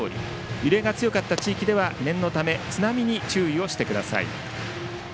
揺れが強かった地域では念のため津波に注意してください。